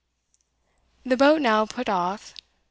The boat now put off.